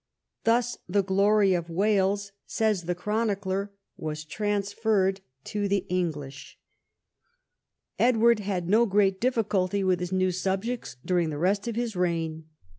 "Thus the glory of AVales," says the chronicler, "was transferred to the English." 118 EDWARD I CHAP. EdAvard had no great difficulty Avith his new subjects during the rest of his reign.